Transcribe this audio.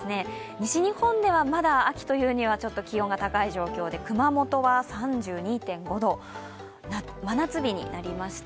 西日本ではまだ秋というにはちょっと気温が高い状況で熊本は３２．５度、真夏日になりました。